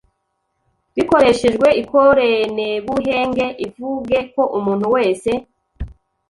bikoreshejwe ikorenebuhenge, ivuge ko umuntu wese,